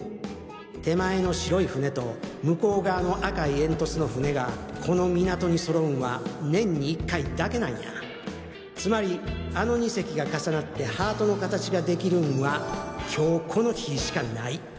手前の白い船と向こう側の赤い煙突の船がこの港に揃うんは年に１回だけなんやつまりあの２隻が重なってハートの形ができるんは今日この日しかない。